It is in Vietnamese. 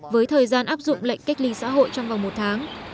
với thời gian áp dụng lệnh cách ly xã hội trong vòng một tháng